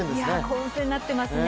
混戦になっていますね